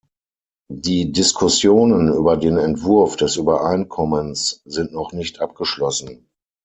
Die Diskussionen über den Entwurf des Übereinkommens sind noch nicht abgeschlossen.